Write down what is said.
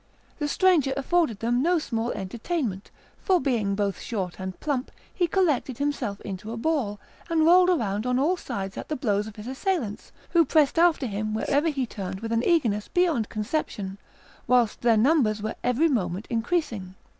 The stranger afforded them no small entertainment; for, being both short and plump, he collected himself into a ball, and rolled round on all sides at the blows of his assailants, who pressed after him wherever he turned with an eagerness beyond conception, whilst their numbers were every moment increasing.